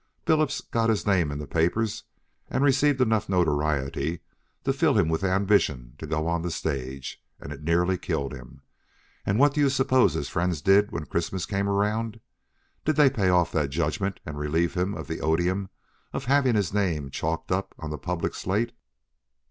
Billups got his name in the papers, and received enough notoriety to fill him with ambition to go on the stage, and it nearly killed him, and what do you suppose his friends did when Christmas came around? Did they pay off that judgment and relieve him of the odium of having his name chalked up on the public slate?